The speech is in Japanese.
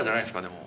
でも。